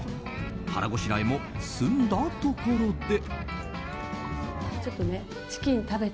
腹ごしらえも済んだところで。